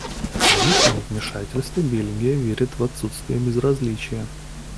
Вместо невмешательства Бельгия верит в отсутствие безразличия.